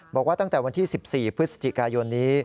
บอกว่าตั้งแต่วันที่๑๔พฤศจิกายนนี้